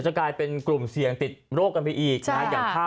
จะกลายเป็นกลุ่มเสี่ยงติดโรคกันไปอีกนะ